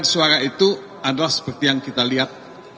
suara itu adalah seperti yang kita lihat